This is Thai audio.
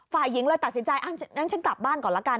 ฝ่ายหญิงเลยตัดสินใจงั้นฉันกลับบ้านก่อนละกัน